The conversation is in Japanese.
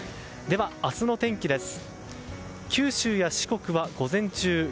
では明日の天気です。